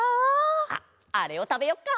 あっあれをたべよっか。